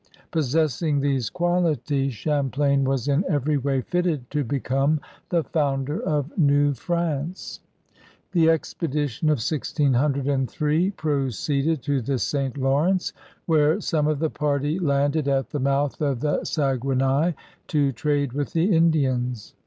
Possessing these qualities, Champlain was in every way fitted to become the founder of New France. The expedition of 1603 proceeded to the St. Lawrence, where some of the party landed at the mouth of the Saguenay to trade with the Indians.